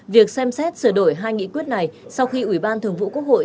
việc xem xét sửa đổi hai nghị quyết này sau khi ủy ban thường vụ quốc hội